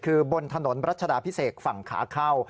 คือบนถนนรัชดาพิเศษฝั่งขาเข้า